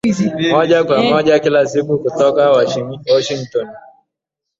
moja kwa moja kila siku kutoka Washington